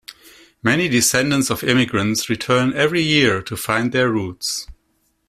Many descendants of emigrants return every year to find their roots.